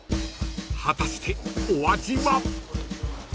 ［果たしてお味は？］